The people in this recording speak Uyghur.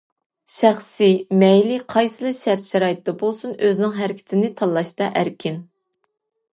شەخس مەيلى قايسىلا شەرت-شارائىتتا بولسۇن، ئۆزىنىڭ ھەرىكىتىنى تاللاشتا ئەركىن.